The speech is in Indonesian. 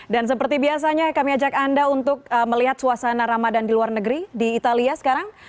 dan seperti biasanya kami ajak anda untuk melihat suasana ramadan di luar negeri di italia sekarang